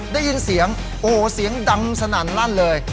ได้ยินเสียงโอ้โหเสียงดังสนั่นลั่นเลย